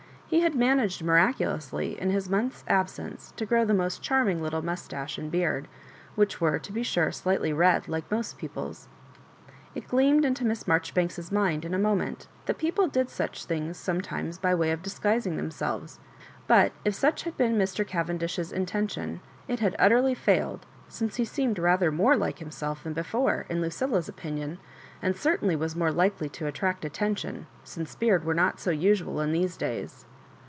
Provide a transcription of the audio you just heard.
He had managed miraculously in his month's absence to grow the most charming little mustache and beard, which were, to be sure, slightly red, like most people's. It gleamed into Miss Marjoribanks's mind in a moment that people did such things sometimes by way of dis guising themselves; but if such had. been Mr. Cavendish's intention, it had utt6riy failed, since he seemed rather more like himself than before, in Lucilla's opinion, and certainly was more likely to attract attention, since beards were not so usual in these days.